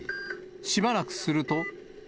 しばらくすると。